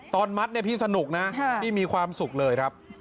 ตอนมัดเนี่ยพี่สนุกนะพี่มีความสุขเลยครับ